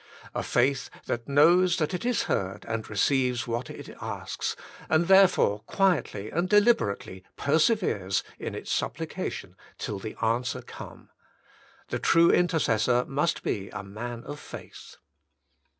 A faith that knows that it is heard and receives what it asks, and therefore quietly and deliberately per severes in its supplication till the answer come. The true intercessor must be a man of faith.